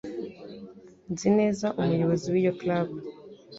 Nzi neza umuyobozi wiyo club.